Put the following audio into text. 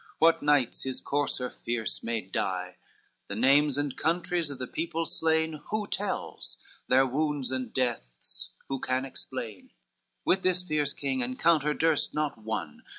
what knights his courser fierce made die? The names and countries of the people slain Who tells? their wounds and deaths who can explain? XLI With this fierce king encounter durst not one.